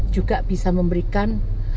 juga bisa memberikan